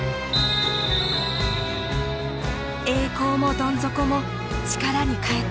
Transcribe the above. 栄光もどん底も力に変えて。